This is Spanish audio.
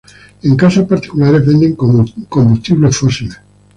En casas particulares venden combustibles fósiles.